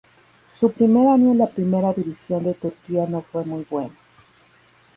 Su primer año en la Primera División de Turquía no fue muy bueno.